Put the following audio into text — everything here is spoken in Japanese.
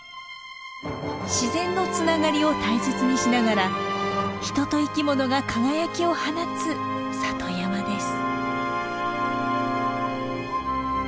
自然のつながりを大切にしながら人と生き物が輝きを放つ里山です。